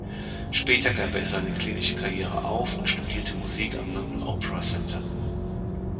Später gab er seine klinische Karriere auf und studierte Musik am London Opera Centre.